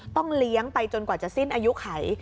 ต้องเลี้ยงไปจนกว่าจะสิ้นอายุไข